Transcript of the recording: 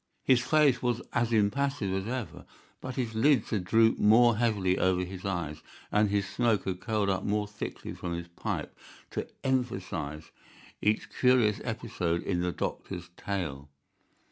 His face was as impassive as ever, but his lids had drooped more heavily over his eyes, and his smoke had curled up more thickly from his pipe to emphasize each curious episode in the doctor's tale.